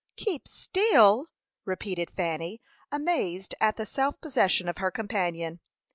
"Keep still?" repeated Fanny, amazed at the self possession of her companion.